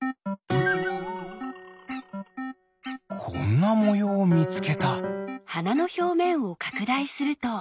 こんなもようみつけた。